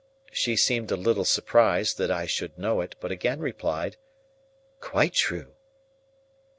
She seemed a little surprised that I should know it, but again replied, "Quite true."